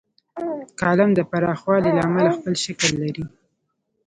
کالم د پراخوالي له امله خپل شکل لري.